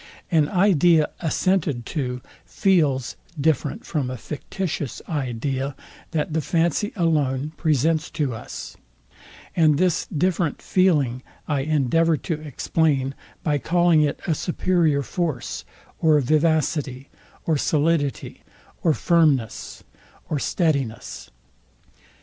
An idea assented to FEELS different from a fictitious idea, that the fancy alone presents to us: And this different feeling I endeavour to explain by calling it a superior force, or vivacity, or solidity, or FIRMNESS, or steadiness.